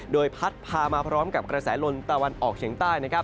โดยพัดพามาพร้อมกับกระแสลมตะวันออกเฉียงใต้